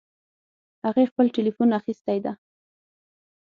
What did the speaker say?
هغې خپل ټیلیفون اخیستی ده